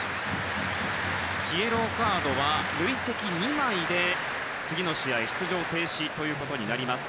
イエローカードは累積２枚で次の試合、出場停止となります。